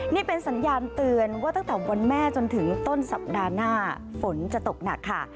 นี่เป็นสัญญาณเตือนว่าตั้งแต่วันแม่จนถึงต้นสัปดาห์หน้าฝนจะตกหนักค่ะ